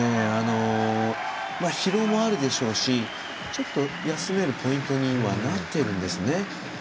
疲労もあるでしょうし休めるポイントにはなっているんですね。